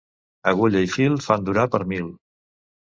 Agulla i fil fan durar per mil.